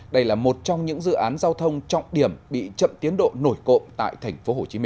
đây là một trong những dự án giao thông trọng điểm bị chậm tiến độ nổi cộm tại tp hcm